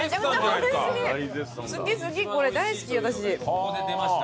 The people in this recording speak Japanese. ここで出ました。